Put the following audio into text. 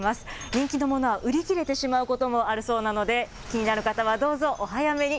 人気のものは売り切れてしまうこともあるそうなので、気になる方はどうぞお早めに。